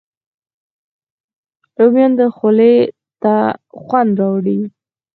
رومیان د انسان خولې ته خوند راولي